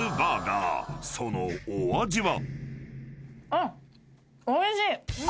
［そのお味は？］